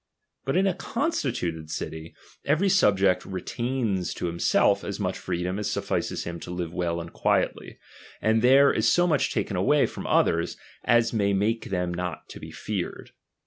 But in a constituted city, every subject retains to him self as much freedom as suffices him to live well aud quietly ; and there is so much taken away from others, as may make them not to be feared.